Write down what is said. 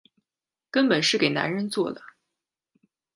根本是给男人做的